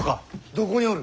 どこにおる？